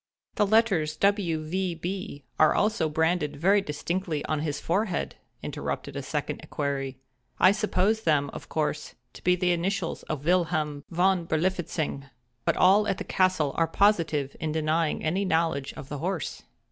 "The letters W. V. B. are also branded very distinctly on his forehead," interrupted a second equerry, "I supposed them, of course, to be the initials of Wilhelm Von Berlifitzing—but all at the castle are positive in denying any knowledge of the horse."